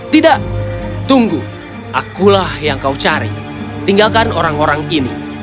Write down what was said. tidak tunggu akulah yang kau cari tinggalkan orang orang ini